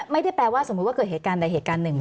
ไม่ได้แปลว่าสมมุติว่าเกิดเหตุการณ์ใดเหตุการณ์หนึ่ง